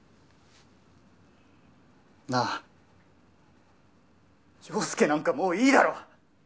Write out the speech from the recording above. なあ陽佑なんかもういいだろ！